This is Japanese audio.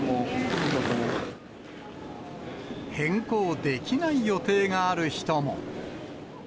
変更できない予定がある人も。